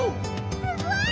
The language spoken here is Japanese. すごい！